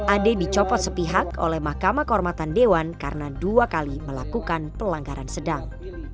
ade dicopot sepihak oleh mahkamah kehormatan dewan karena dua kali melakukan pelanggaran sedang